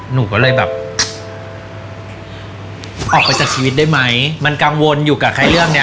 หนูก็เลยแบบออกไปจากชีวิตได้ไหมมันกังวลอยู่กับไอ้เรื่องเนี้ย